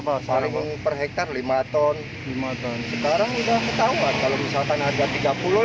bahasa lalu per hektare lima ton lima ton sekarang udah ketahuan kalau misalkan ada